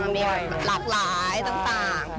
มีหลากหลายต่าง